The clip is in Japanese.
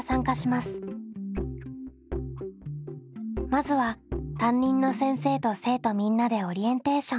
まずは担任の先生と生徒みんなでオリエンテーション。